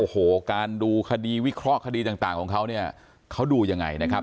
โอ้โหการดูคดีวิเคราะห์คดีต่างของเขาเนี่ยเขาดูยังไงนะครับ